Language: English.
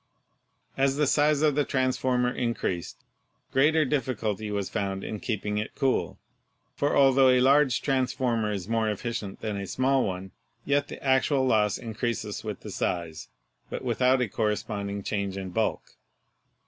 As the size of the transformer increased, greater diffi culty was found in keeping it cool, for altho a large transformer is more efficient than a small one, yet the ac tual loss increases with the size, but without a correspond ing change in bulk.